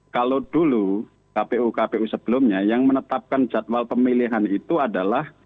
kalau dulu kpu kpu sebelumnya yang menetapkan jadwal pemilihan itu adalah